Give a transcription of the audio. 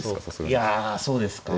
いやそうですか。